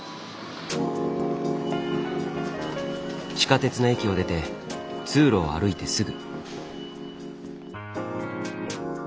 地下鉄の駅を出て通路を歩いてすぐ。